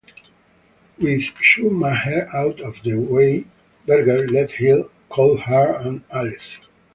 With Schumacher out of the way Berger led Hill, Coulthard and Alesi.